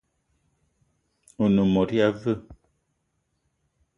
One mot ya veu?